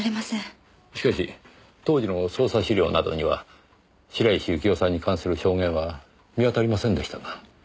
しかし当時の捜査資料などには白石幸生さんに関する証言は見当たりませんでしたが。